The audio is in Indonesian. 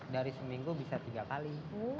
dari seminggu bisa tiga kali